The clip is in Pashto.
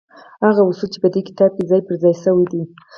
هغه اصول چې په دې کتاب کې ځای پر ځای شوي دي.